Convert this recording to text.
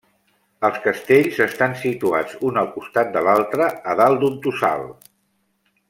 Els castells estan situats un al costat de l'altre a dalt d'un tossal.